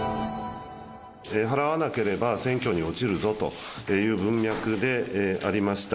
払わなければ選挙に落ちるぞという文脈でありました。